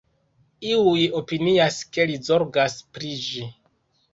Iuj opinias, ke li zorgas pri ĝi.